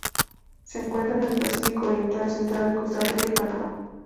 Se encuentra en el Pacífico oriental central: Costa Rica y Panamá.